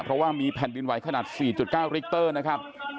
เพราะว่ามีแผ่นดินไหวขนาด๔๙ลิกเตอร์นะครับ